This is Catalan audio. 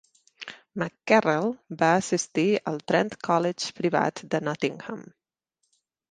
MacKerrell va assistir al Trent College privat de Nottingham.